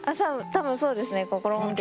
多分そうですね。